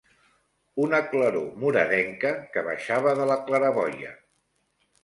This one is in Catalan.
Una claror moradenca que baixava de la claraboia